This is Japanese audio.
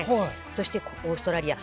そしてオーストラリア。